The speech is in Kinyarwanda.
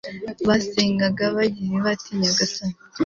basengaga bagira bati nyagasani